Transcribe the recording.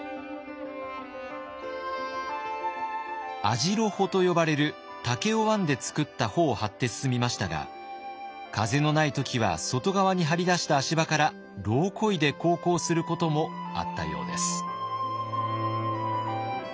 網代帆と呼ばれる竹を編んで作った帆を張って進みましたが風のない時は外側に張り出した足場から櫓をこいで航行することもあったようです。